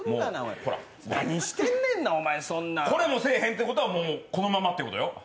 何してんねん、お前、そんなん。これもせへえんってことは、もうこのままってことよ？